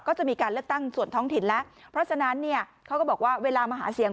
ก็จะมีการเลือกตั้งส่วนท้องถิ่นแล้วเพราะฉะนั้นเนี่ยเขาก็บอกว่าเวลามาหาเสียง